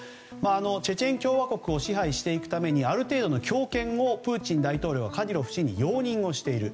チェチェン共和国を支配していくためにある程度の強権をプーチン大統領はカディロフ氏に容認をしている。